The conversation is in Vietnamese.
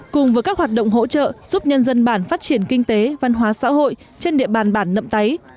cùng với các hoạt động hỗ trợ giúp nhân dân bản phát triển kinh tế văn hóa xã hội trên địa bàn bản nậm táy